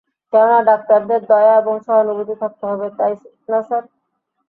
কেননা ডাক্তারদের দয়া এবং সহানুভূতি থাকতে হবে, তাই-না স্যার?